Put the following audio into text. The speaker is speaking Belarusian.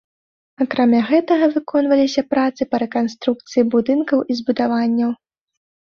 Акрамя гэтага, выконваліся працы па рэканструкцыі будынкаў і збудаванняў.